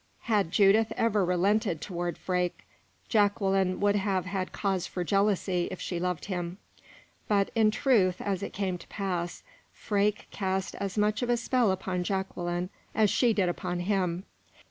Had Judith ever relented toward Freke, Jacqueline would have had cause for jealousy if she loved him. But, in truth, as it came to pass, Freke cast as much of a spell upon Jacqueline as she did upon him.